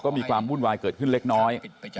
ก็มีความวุ่นวายเกิดขึ้นเล็กน้อย